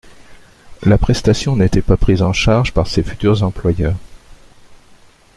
La prestation n’était pas prise en charge par ses futurs employeurs.